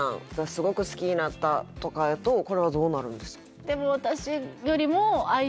すごく好きになったとかやとこれはどうなるんですか？